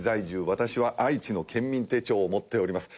私は愛知の県民手帳を持っております。